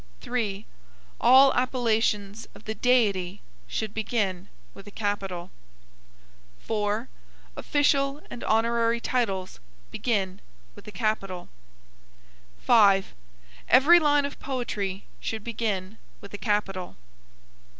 3. All appellations of the Deity should begin with a capital. 4. Official and honorary titles begin with a capital. 5. Every line of poetry should begin with a capital.